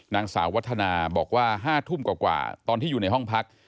นางสาววัฒนาบอกว่า๕ทุ่มกว่าตอนที่อยู่ในห้องพัก